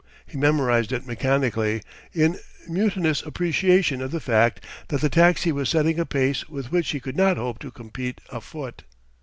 He memorised it mechanically, in mutinous appreciation of the fact that the taxi was setting a pace with which he could not hope to compete afoot.